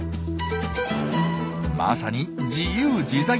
まさに自由自在。